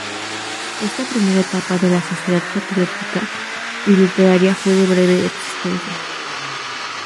Esta primer etapa de la Sociedad Patriótica y Literaria fue de breve existencia.